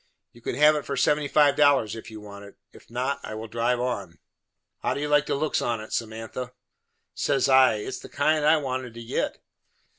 You can have it for 75 dollars if you want it; if not, I will drive on." "How do you like the looks on it, Samantha?" Says I, "It is the kind I wanted to git."